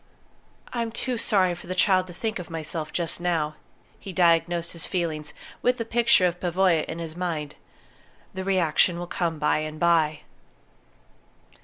"I'm too sorry for the child to think of myself just now," he diagnosed his feelings, with the picture of Pavoya in his mind. "The reaction will come by and by."